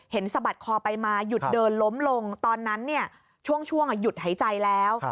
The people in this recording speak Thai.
สะบัดคอไปมาหยุดเดินล้มลงตอนนั้นช่วงหยุดหายใจแล้ว